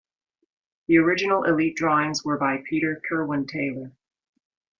The original Elite drawings were by Peter Kirwan-Taylor.